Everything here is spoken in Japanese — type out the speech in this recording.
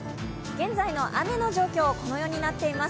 現在の雨の状況、このようになっています。